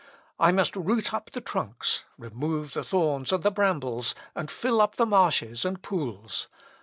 I must root up the trunks, remove the thorns and the brambles, and fill up the marshes and pools.